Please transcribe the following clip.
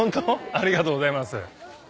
ありがとうございます。